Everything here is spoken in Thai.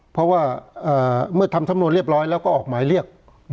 เพราะว่าเมื่อทำสำนวนเรียบร้อยแล้วก็ออกหมายเรียก